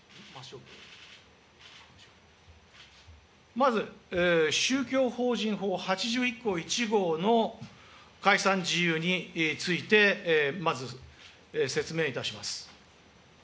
まず宗教法人法８１条１項１号の解散事由について、まず説明いたします。